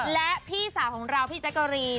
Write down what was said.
และพี่สาวของเราพี่แจ๊กกะรีน